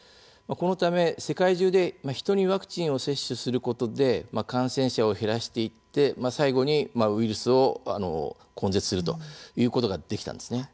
このため、世界中で人にワクチンを接種することで感染者を減らしていって最後にウイルスを根絶するということができたんですね。